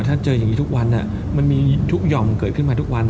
ถ้าเจออย่างนี้ทุกวันมันมีทุกหย่อมเกิดขึ้นมาทุกวัน